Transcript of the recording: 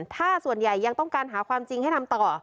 ถ้าส่วนใหญ่ยังต้องการหาความจริงให้ทำต่อ